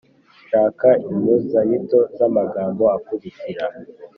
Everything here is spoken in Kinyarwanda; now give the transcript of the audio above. Shaka impuzanyito z’amagambo akurikira